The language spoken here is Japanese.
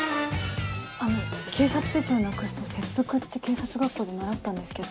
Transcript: あの警察手帳なくすと切腹って警察学校で習ったんですけど。